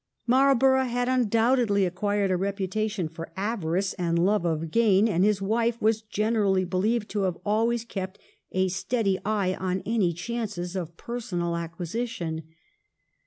Marlborough had undoubtedly acquired a reputation for avarice and love of gain, and his wife was generally believed to have always kept a steady eye on any chances of personal acquisition.